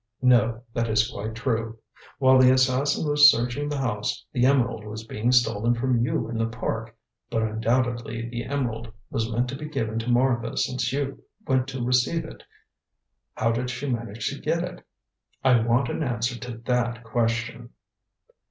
"No. That is quite true. While the assassin was searching the house, the emerald was being stolen from you in the Park. But undoubtedly the emerald was meant to be given to Martha since you went to receive it. How did she manage to get it? I want an answer to that question."